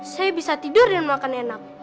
saya bisa tidur dan makan enak